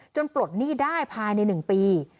จนปลดหนี้ได้ภายในหนึ่งปี